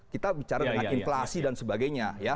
kita bicara dengan inflasi dan sebagainya